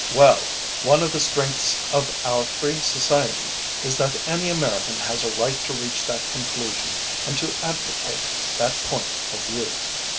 ö Well, one of the strengths of our free society is that any American has a right to reach that conclusion and to advocate that point of view.